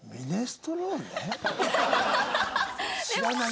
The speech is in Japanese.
知らない。